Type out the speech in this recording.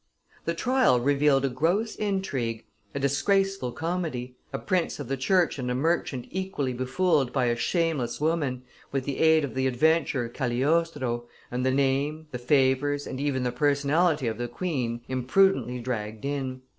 The trial revealed a gross intrigue, a disgraceful comedy, a prince of the church and a merchant equally befooled by a shameless woman, with the aid of the adventurer Cagliostro, and the name, the favors, and even the personality of the queen impudently dragged in.